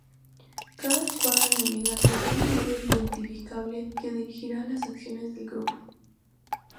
Cada escuadra enemiga tendrá un líder identificable que dirigirá las acciones del grupo.